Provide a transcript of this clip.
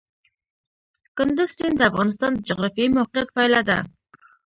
کندز سیند د افغانستان د جغرافیایي موقیعت پایله ده.